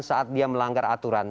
saat dia melanggar aturan